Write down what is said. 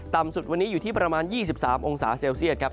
สุดวันนี้อยู่ที่ประมาณ๒๓องศาเซลเซียตครับ